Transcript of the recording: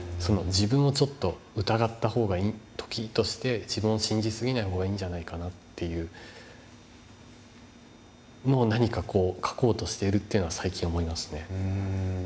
自分をちょっと疑った方が時として自分を信じすぎない方がいいんじゃないかなっていうのを何かこう描こうとしてるというのは最近思いますね。